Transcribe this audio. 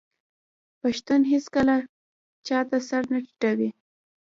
پښتون هیڅکله چا ته سر نه ټیټوي.